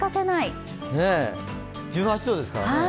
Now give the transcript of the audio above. １８度ですからね。